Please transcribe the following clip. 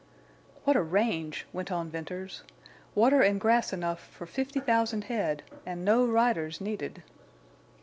"What a range!" went on Venters. "Water and grass enough for fifty thousand head, and no riders needed!"